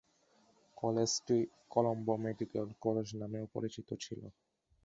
কলেজটি Colombo medical college নামেও পরিচিত ছিলো।